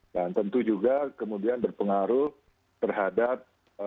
dan tentu juga kemudian berpengaruh terhadap